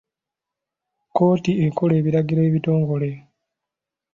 Kkooti ekola ebiragiro ebitongole.